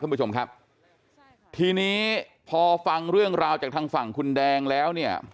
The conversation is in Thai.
ท่านผู้ชมครับทีนี้พอฟังเรื่องราวจากทางฝั่งคุณแดงแล้วเนี่ย